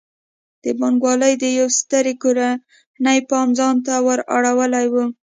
د بانک والۍ د یوې سترې کورنۍ پام ځان ته ور اړولی و.